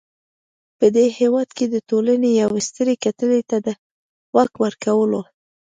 په دې هېواد کې د ټولنې یوې سترې کتلې ته د واک ورکولو.